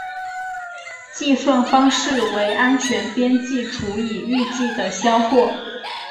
计算方式为安全边际除以预计的销货。